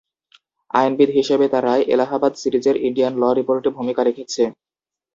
আইনবিদ হিসেবে তার রায় এলাহাবাদ সিরিজের ইন্ডিয়ান ল রিপোর্টে ভূমিকা রেখেছে।